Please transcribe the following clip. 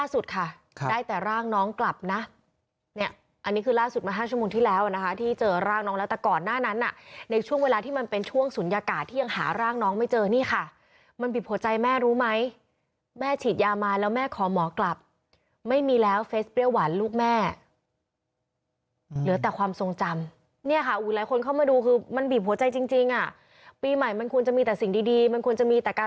สุดท้ายมันกลายเป็นข่าวเศร้านะคะ